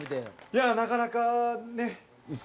いやなかなかねっ。